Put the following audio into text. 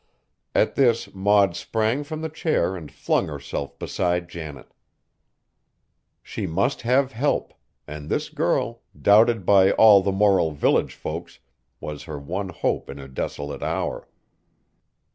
At this Maud sprang from the chair and flung herself beside Janet. She must have help; and this girl, doubted by all the moral village folks, was her one hope in a desolate hour.